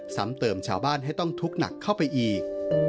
ซ้ำเติมชาวบ้านให้ต้องทุกข์หนักเข้าไปอีก